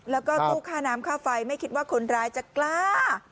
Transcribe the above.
แล้วก็ตู้ค่าน้ำค่าไฟไม่คิดว่าคนร้ายจะกล้า